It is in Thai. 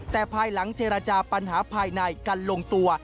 แต่ภายหลังเจรจาปัญหาภายในกันลงตัว